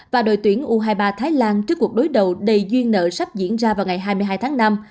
và đội tuyển u hai mươi ba thái lan trước cuộc đối đầu đầy duyên nợ sắp diễn ra vào ngày hai mươi hai tháng năm